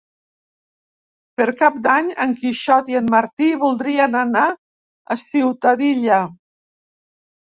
Per Cap d'Any en Quixot i en Martí voldrien anar a Ciutadilla.